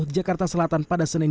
jakarta selatan pada senin